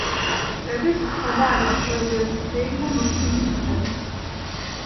ვებერს ჰქონდა არაჩვეულებრივად გრძელი და მოქნილი თითები.